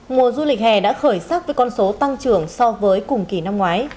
mùa du lịch hè đã khởi sắc với con số tăng trưởng so với cùng kỳ năm ngoái